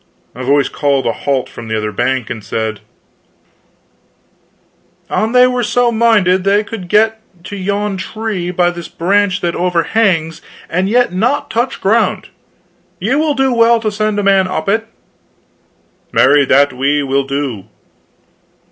A voice called a halt from the other bank, and said: "An they were so minded, they could get to yon tree by this branch that overhangs, and yet not touch ground. Ye will do well to send a man up it." "Marry, that we will do!"